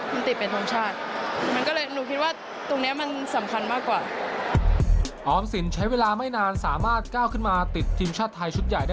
มันติดเป็นทองชาติ